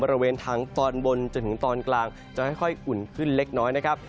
บริเวณทางตอนบนจนถึงตอนกลางจะค่อยอุ่นขึ้นเล็กน้อยนะครับ